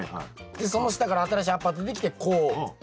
でその下から新しい葉っぱが出てきてこうこう。